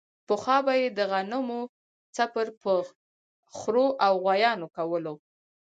پخوا به یې د غنمو څپر په خرو او غوایانو کولو.